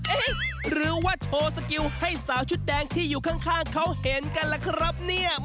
เอ๊ะหรือว่าโชว์สกิลให้สาวชุดแดงที่อยู่ข้างเขาเห็นกันล่ะครับเนี่ย